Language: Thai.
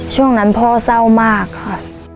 ช่วงนั้นพ่อเศร้ามากค่ะ